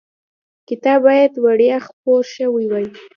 کتاب باید وړیا خپور شوی وای.